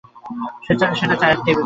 সেটা চায়ের টেবিলে।